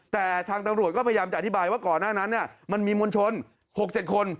แต่ทางตำรวจก็พยายามจะอธิบายว่าก่อนหน้านั้นมันมีมวลชน๖๗คน